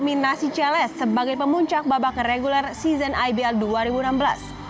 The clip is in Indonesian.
dominasi ciales sebagai pemuncak babak regular season ibl dua ribu enam belas